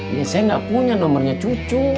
ini saya gak punya nomernya cucu